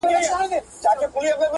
چي مي ښکار وي په هر ځای کي پیداکړی.!